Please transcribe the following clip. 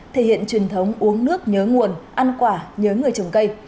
thể hiện truyền thống uống nước nhớ nguồn ăn quả nhớ người trồng cây